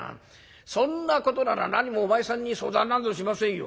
そんなことならなにもお前さんに相談なんぞしませんよ。